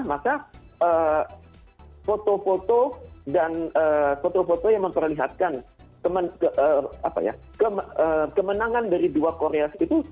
maka foto foto yang memperlihatkan kemenangan dari dua korea itu